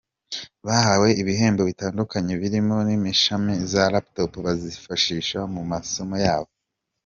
Bahawe ibihembo bitandukanye birimo n’imashini za Laptop bazifashisha mu masomo yabo.